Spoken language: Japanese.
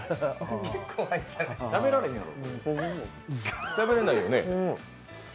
しゃべられへんやろ？